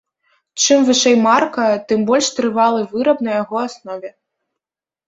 Чым вышэй марка, тым больш трывалы выраб на яго аснове.